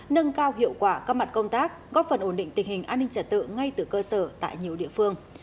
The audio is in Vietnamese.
nâng cao hiệu quả các mặt công tác góp phần ổn định tình hình an ninh trật tự ngay từ cơ sở tại nhiều địa phương